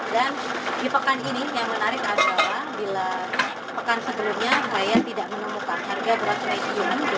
dan di pekan ini yang menarik adalah di pekan sebelumnya saya tidak menemukan harga beras medium